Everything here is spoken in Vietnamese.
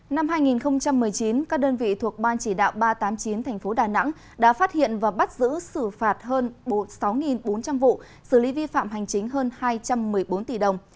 năm hai nghìn một mươi chín các đơn vị thuộc ban chỉ đạo ba trăm tám mươi chín tp đà nẵng đã phát hiện và bắt giữ xử phạt hơn sáu bốn trăm linh vụ xử lý vi phạm hành chính hơn hai trăm một mươi bốn tỷ đồng